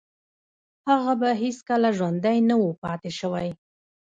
هغه به هیڅکله ژوندی نه و پاتې شوی